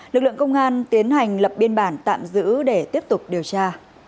lực lượng công an tiến hành lập biên bản tạm giữ để tiếp tục điều tra